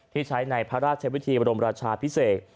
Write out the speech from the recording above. ที่ใช้ในพระราชวิธีบรมราชาพิเศษ